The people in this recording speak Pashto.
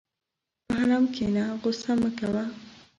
په حلم کښېنه، غوسه مه کوه.